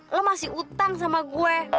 lo masih utang sama gue